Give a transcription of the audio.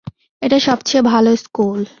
এটা সবচেয়ে ভালো স্কুল।